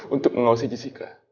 untuk menghorsi jessica